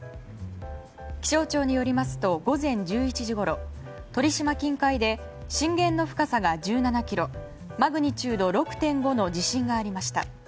気象庁によりますと午前１１時ごろ鳥島近海で震源の深さが１７ｋｍマグニチュード６．５の地震がありました。